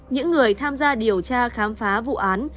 những người tham gia điều tra khám phá vụ án